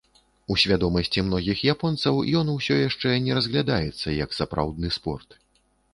У свядомасці многіх японцаў ён усё яшчэ не разглядаецца як сапраўдны спорт.